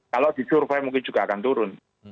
kalau disurvey mungkin juga akan turun